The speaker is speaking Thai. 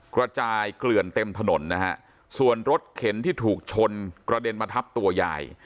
กระจายเกลื่อนเต็มถนนนะฮะส่วนรถเข็นที่ถูกชนกระเด็นมาทับตัวยาย